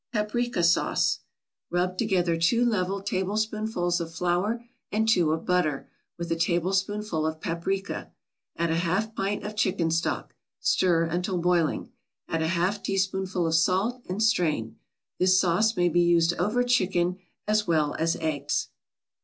PAPRIKA SAUCE Rub together two level tablespoonfuls of flour and two of butter, with a tablespoonful of paprika. Add a half pint of chicken stock. Stir until boiling. Add a half teaspoonful of salt, and strain. This sauce may be used over chicken as well as eggs.